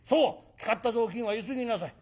使った雑巾はゆすぎなさい。